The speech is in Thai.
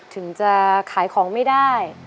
ถึงจะขายของไม่ได้